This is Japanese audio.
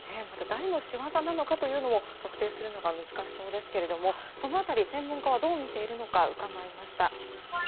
また、誰の仕業なのかというのも特定するのが難しそうですけどその辺り専門家はどう見ているのか伺いました。